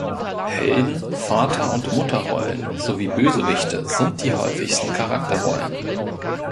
Helden-, Vater- und Mutter-Rollen sowie Bösewichte sind die häufigsten Charakterrollen.